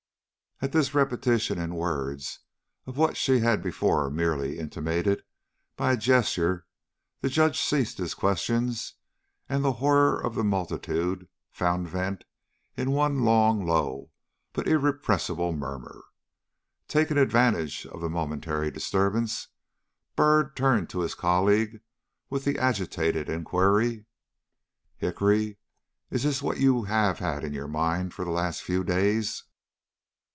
At this repetition in words of what she had before merely intimated by a gesture, the Judge ceased his questions, and the horror of the multitude found vent in one long, low, but irrepressible murmur. Taking advantage of the momentary disturbance, Byrd turned to his colleague with the agitated inquiry: "Hickory, is this what you have had in your mind for the last few days?"